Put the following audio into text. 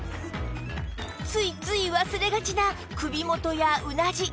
ついつい忘れがちな首元やうなじ